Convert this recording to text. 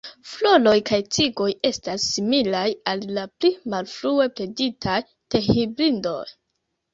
Floroj kaj tigoj estas similaj al la pli malfrue breditaj te-hibridoj.